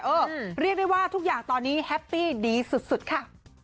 เรียกได้ว่าทุกอย่างตอนนี้แฮปปี้ดีสุดค่ะ